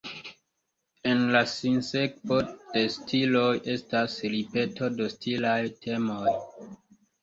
En la sinsekvo de stiloj, estas ripeto de stilaj temoj.